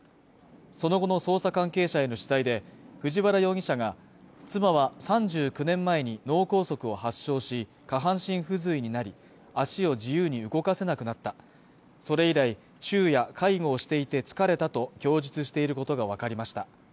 その後の捜査関係者への取材で藤原容疑者が妻は３９年前に脳梗塞を発症し下半身付随になり足を自由に動かせなくなったそれ以来、昼夜介護をしていて疲れたと供述していることが分かりました